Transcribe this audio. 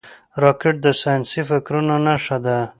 راکټ د ساینسي فکرونو نښه ده